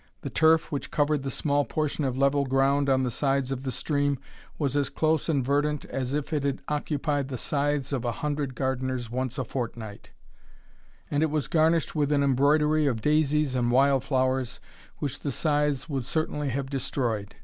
The turf which covered the small portion of level ground on the sides of the stream, was as close and verdant as if it had occupied the scythes of a hundred gardeners once a fortnight; and it was garnished with an embroidery of daisies and wild flowers, which the scythes would certainly have destroyed.